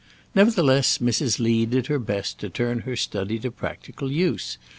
Nevertheless Mrs. Lee did her best to turn her study to practical use.